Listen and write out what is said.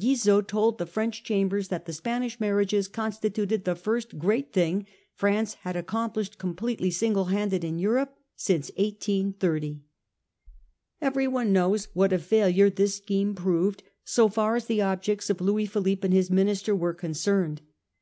Guizot told the French Chambers that the Spanish marriages constituted the first great thing France had accom plished completely single handed in Europe since 1830. Everyone knows what a failure this scheme proved, so far as the objects of Louis Philippe and his minister were concerned.